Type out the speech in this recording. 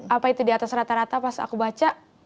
apa itu di atas rata rata pas aku baca